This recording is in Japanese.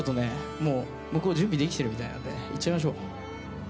もう向こう準備できてるみたいなんでいっちゃいましょう。